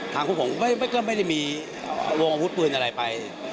ภาร์คโกะหงค์ก็ไม่เคยมีโรงพุสปืนอะไรไป